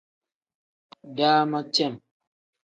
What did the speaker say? Dalam cem.